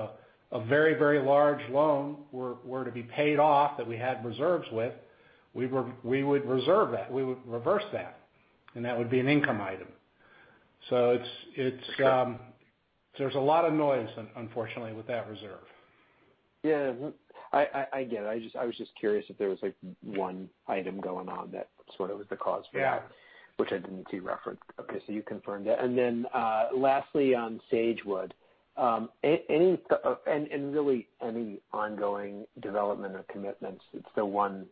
a very large loan were to be paid off that we had reserves with, we would reverse that, and that would be an income item. There's a lot of noise, unfortunately, with that reserve. Yeah. I get it. I was just curious if there was one item going on that was the cause for that. Yeah which I didn't see referenced. Okay, you confirmed it. Lastly, on Sagewood, and really any ongoing development or commitments, it's the one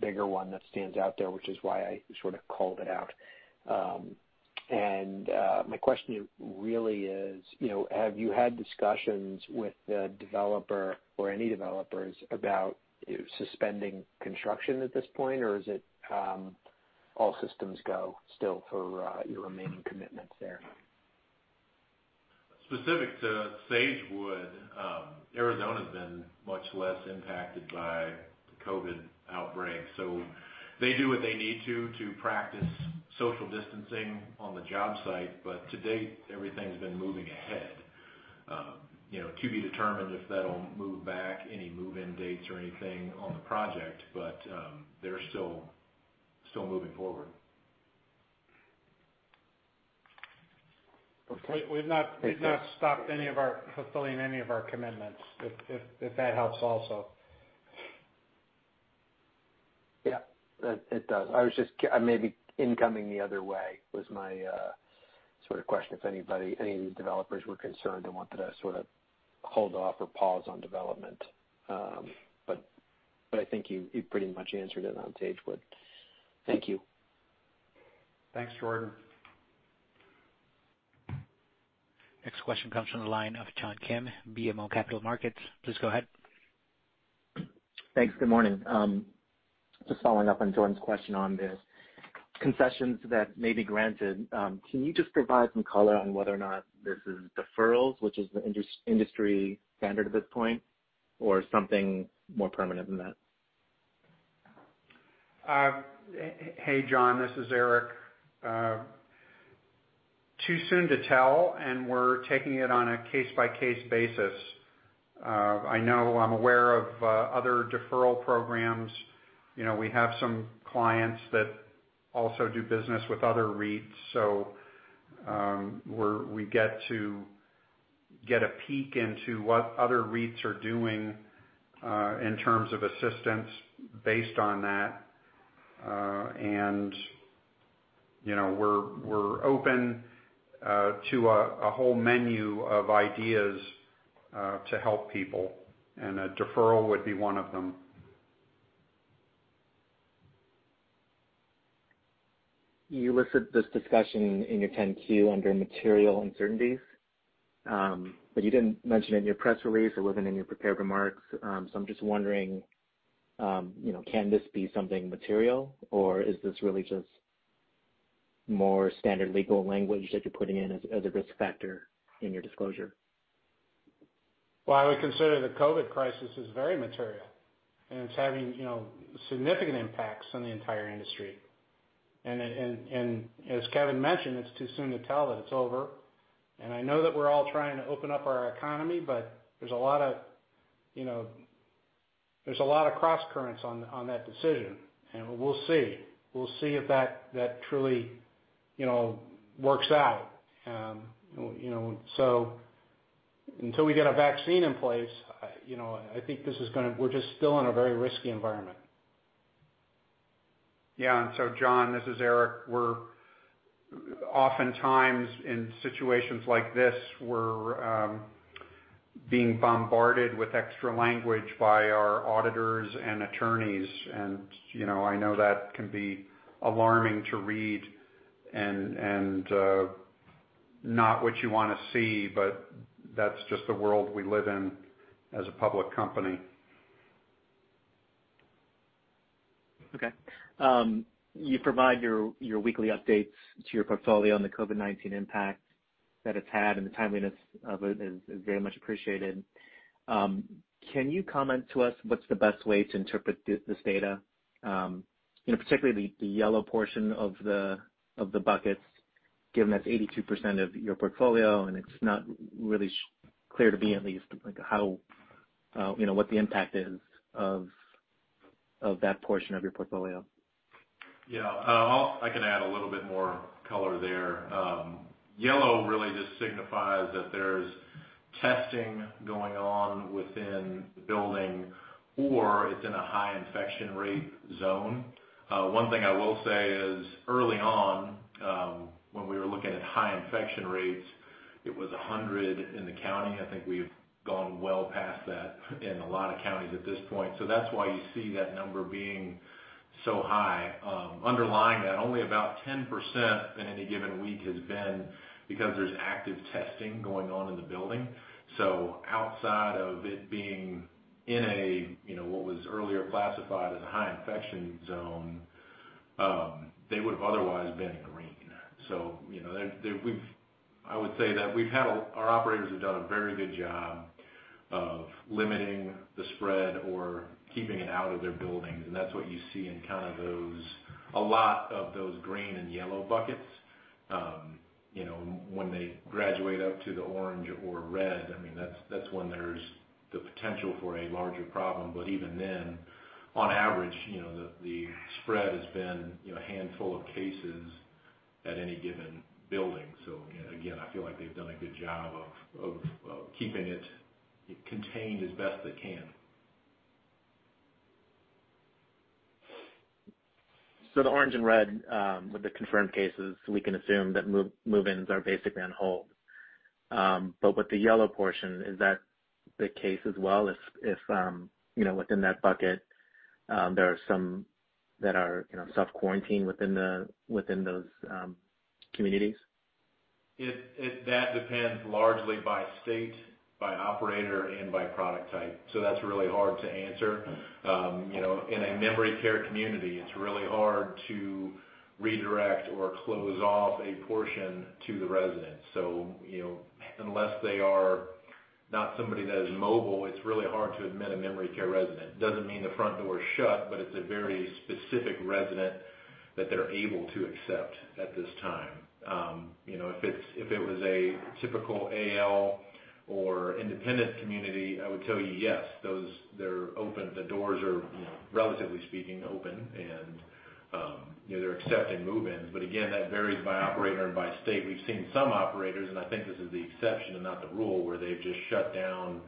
bigger one that stands out there, which is why I called it out. My question to you really is, have you had discussions with the developer or any developers about suspending construction at this point, or is it all systems go still for your remaining commitments there? Specific to Sagewood, Arizona's been much less impacted by the COVID outbreak. They do what they need to practice social distancing on the job site. To date, everything's been moving ahead. To be determined if that'll move back any move-in dates or anything on the project. They're still moving forward. Okay. We've not stopped fulfilling any of our commitments, if that helps also. Yeah. It does. I may be incoming the other way was my question, if any of the developers were concerned and wanted to hold off or pause on development. I think you pretty much answered it on Sagewood. Thank you. Thanks, Jordan. Next question comes from the line of John Kim, BMO Capital Markets. Please go ahead. Thanks. Good morning. Just following up on Jordan's question on the concessions that may be granted, can you just provide some color on whether or not this is deferrals, which is the industry standard at this point, or something more permanent than that? Hey, John, this is Eric. Too soon to tell. We're taking it on a case-by-case basis. I know I'm aware of other deferral programs. We have some clients that also do business with other REITs, so we get to get a peek into what other REITs are doing, in terms of assistance based on that. We're open to a whole menu of ideas to help people, and a deferral would be one of them. You listed this discussion in your 10-Q under material uncertainties, but you didn't mention it in your press release. It wasn't in your prepared remarks. I'm just wondering, can this be something material, or is this really just more standard legal language that you're putting in as a risk factor in your disclosure? I would consider the COVID-19 crisis as very material, and it's having significant impacts on the entire industry. As Kevin mentioned, it's too soon to tell that it's over. I know that we're all trying to open up our economy, but there's a lot of crosscurrents on that decision. We'll see. We'll see if that truly works out. Until we get a vaccine in place, I think we're just still in a very risky environment. Yeah. John, this is Eric. Oftentimes, in situations like this, we're being bombarded with extra language by our auditors and attorneys, and I know that can be alarming to read and not what you want to see. That's just the world we live in as a public company. Okay. You provide your weekly updates to your portfolio on the COVID-19 impact that it's had, and the timeliness of it is very much appreciated. Can you comment to us what's the best way to interpret this data? Particularly the yellow portion of the buckets, given that's 82% of your portfolio, and it's not really clear to me at least what the impact is of that portion of your portfolio. Yeah. I can add a little bit more color there. Yellow really just signifies that there's testing going on within the building, or it's in a high infection rate zone. One thing I will say is early on, when we were looking at high infection rates, it was 100 in the county. I think we've gone well past that in a lot of counties at this point. That's why you see that number being so high. Underlying that, only about 10% in any given week has been because there's active testing going on in the building. Outside of it being in what was earlier classified as a high infection zone, they would've otherwise been green. I would say that our operators have done a very good job of limiting the spread or keeping it out of their buildings. That's what you see in a lot of those green and yellow buckets. When they graduate up to the orange or red, that's when there's the potential for a larger problem. Even then, on average, the spread has been a handful of cases At any given building. Again, I feel like they've done a good job of keeping it contained as best they can. The orange and red, with the confirmed cases, we can assume that move-ins are basically on hold. With the yellow portion, is that the case as well, if within that bucket, there are some that are self-quarantined within those communities? That depends largely by state, by operator, and by product type. That's really hard to answer. In a memory care community, it's really hard to redirect or close off a portion to the resident. Unless they are not somebody that is mobile, it's really hard to admit a memory care resident. Doesn't mean the front door is shut, but it's a very specific resident that they're able to accept at this time. If it was a typical AL or independent community, I would tell you, yes, the doors are, relatively speaking, open, and they're accepting move-ins. Again, that varies by operator and by state. We've seen some operators, and I think this is the exception and not the rule, where they've just shut down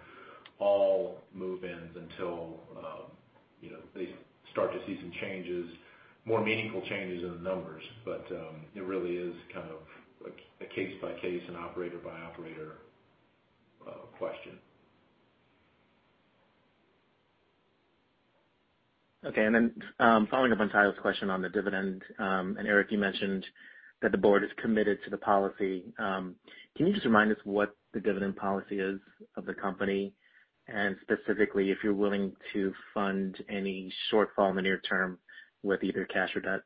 all move-ins until they start to see some changes, more meaningful changes in the numbers. It really is kind of a case-by-case and operator-by-operator question. Okay, following up on Tayo's question on the dividend, Eric, you mentioned that the board is committed to the policy. Can you just remind us what the dividend policy is of the company, specifically, if you're willing to fund any shortfall in the near term with either cash or debt?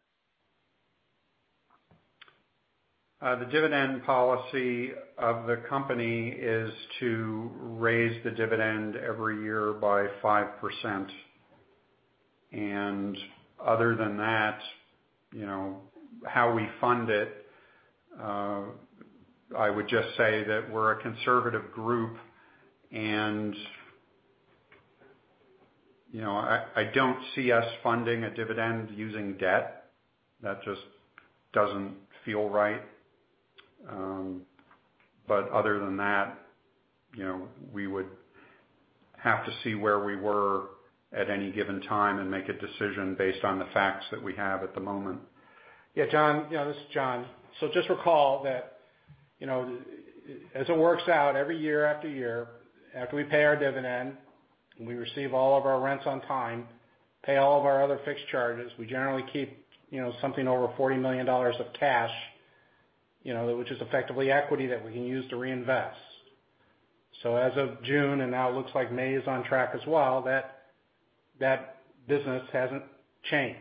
The dividend policy of the company is to raise the dividend every year by five percent. Other than that, how we fund it, I would just say that we're a conservative group and I don't see us funding a dividend using debt. That just doesn't feel right. Other than that, we would have to see where we were at any given time and make a decision based on the facts that we have at the moment. John, this is John. Just recall that as it works out every year after year, after we pay our dividend and we receive all of our rents on time, pay all of our other fixed charges, we generally keep something over $40 million of cash, which is effectively equity that we can use to reinvest. As of June, now it looks like May is on track as well, that business hasn't changed.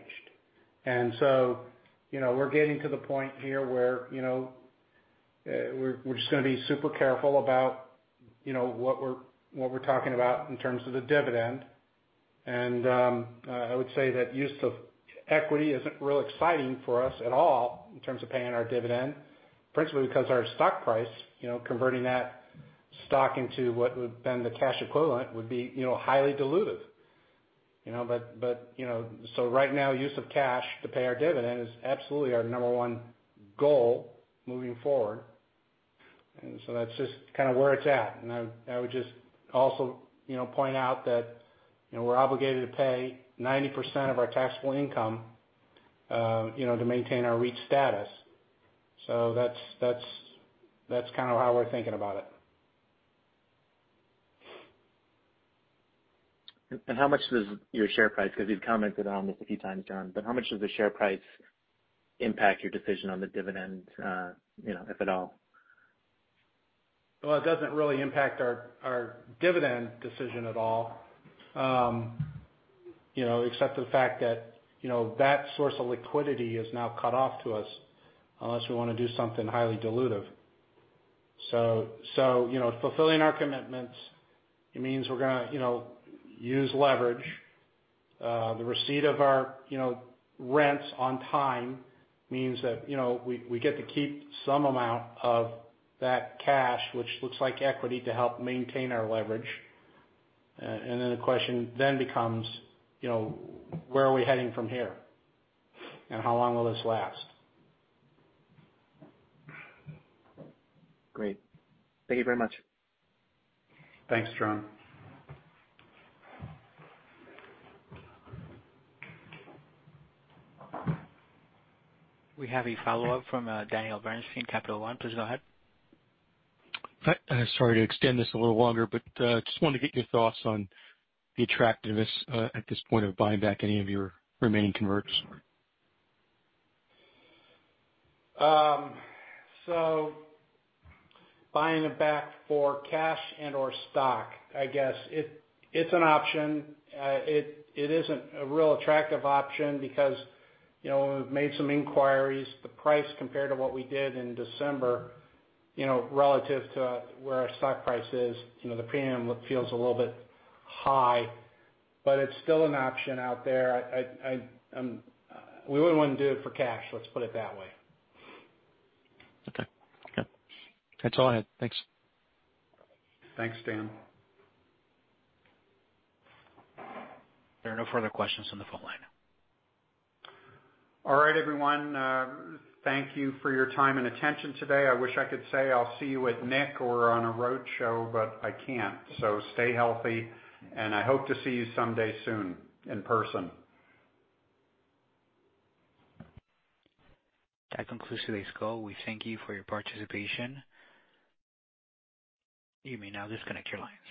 We're getting to the point here where we're just going to be super careful about what we're talking about in terms of the dividend. I would say that use of equity isn't real exciting for us at all in terms of paying our dividend, principally because our stock price, converting that stock into what would have been the cash equivalent would be highly dilutive. Right now use of cash to pay our dividend is absolutely our number one goal moving forward. That's just kind of where it's at. I would just also point out that we're obligated to pay 90% of our taxable income to maintain our REIT status. That's kind of how we're thinking about it. How much does your share price, because you've commented on this a few times, John, but how much does the share price impact your decision on the dividend, if at all? Well, it doesn't really impact our dividend decision at all, except the fact that source of liquidity is now cut off to us, unless we want to do something highly dilutive. Fulfilling our commitments, it means we're going to use leverage. The receipt of our rents on time means that we get to keep some amount of that cash, which looks like equity, to help maintain our leverage. The question then becomes, where are we heading from here, and how long will this last? Great. Thank you very much. Thanks, John. We have a follow-up from Daniel Bernstein, Capital One. Please go ahead. Sorry to extend this a little longer, but just wanted to get your thoughts on the attractiveness at this point of buying back any of your remaining converts. Buying it back for cash and/or stock, I guess. It's an option. It isn't a real attractive option because we've made some inquiries. The price compared to what we did in December, relative to where our stock price is, the premium feels a little bit high. It's still an option out there. We wouldn't want to do it for cash, let's put it that way. Okay. Yeah. That's all I had. Thanks. Thanks, Dan. There are no further questions on the phone line. All right, everyone. Thank you for your time and attention today. I wish I could say I'll see you at NIC or on a road show, but I can't. Stay healthy, and I hope to see you someday soon in person. That concludes today's call. We thank you for your participation. You may now disconnect your lines.